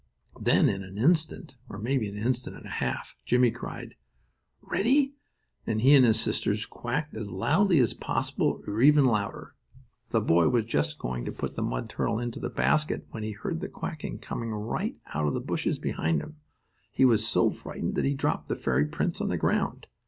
Then, in an instant, or maybe in an instant and a half, Jimmie cried, "Ready!" and he and his sisters quacked as loudly as possible, or even louder. The boy was just going to put the mud turtle into the basket, but when he heard the quacking, coming right out of the bushes behind him, he was so frightened that he dropped the fairy prince on the ground.